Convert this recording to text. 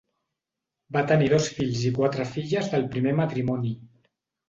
Va tenir dos fills i quatre filles del primer matrimoni.